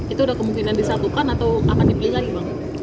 itu udah kemungkinan disatukan atau akan dipilih lagi bang